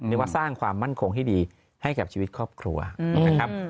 เรียกว่าสร้างความมั่นคงที่ดีให้กับชีวิตครอบครัวนะครับ